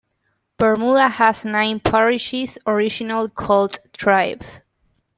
Bermuda has nine "Parishes", originally called "Tribes".